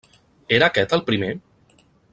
Era aquest el primer?